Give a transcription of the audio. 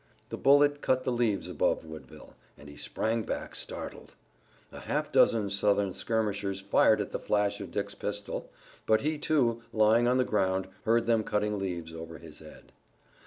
The bullet cut the leaves above Woodville and he sprang back, startled. A half dozen Southern skirmishers fired at the flash of Dick's pistol, but he, too, lying on the ground, heard them cutting leaves over his head.